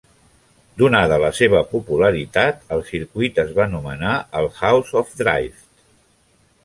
Donada la seva popularitat, el circuit es va nomenar el "House of Drift".